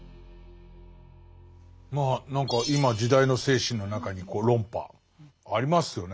まあ何か今時代の精神の中に論破ありますよね